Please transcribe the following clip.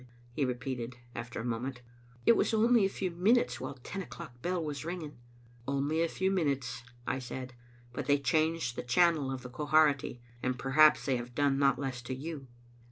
he repeated, after a moment. " It was only a few minutes, while the ten o'clock bell was ringing." " Only a few minutes," I said, " but they changed the channel of the Quharity, and perhaps they have done not less to you.